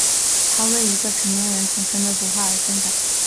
他为一个成年人重生的图画而挣扎。